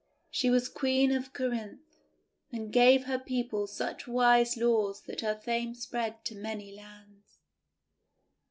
She was Queen of Corinth, and gave her people such wise laws that her fame spread to many lands.